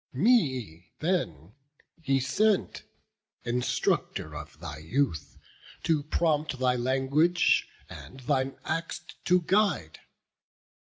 Me then he sent, instructor of thy youth, To prompt thy language, and thine acts to guide.